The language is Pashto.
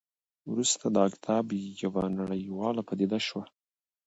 وروسته دا کتاب یوه نړیواله پدیده شوه.